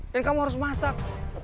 dan kamu harus masak